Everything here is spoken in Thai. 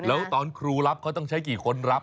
แล้วตอนครูรับเขาต้องใช้กี่คนรับ